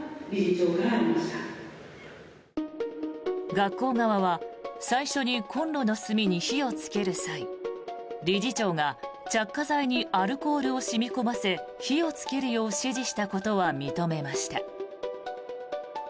学校側は最初にコンロの炭に火をつける際理事長が着火剤にアルコールを染み込ませ火をつけるよう指示したことは認めました。